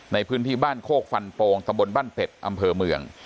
ในพื้นที่บ้านโคกฟันโปงตะบนบ้านเป็ดอำเภอเมือง